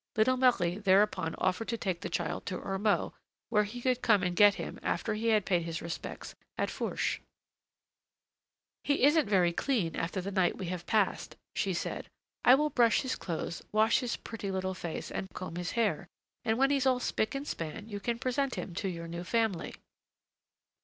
Little Marie thereupon offered to take the child to Ormeaux, where he could come and get him after he had paid his respects at Fourche. "He isn't very clean after the night we have passed," she said. "I will brush his clothes, wash his pretty little face, and comb his hair, and when he's all spick and span, you can present him to your new family."